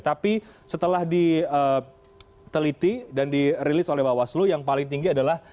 tapi setelah diteliti dan dirilis oleh bawaslu yang paling tinggi adalah